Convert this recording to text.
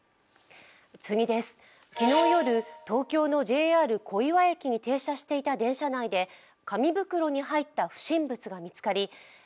昨日夜、東京のＪＲ小岩駅に停車していた電車内で紙袋に入った不審物が見つかり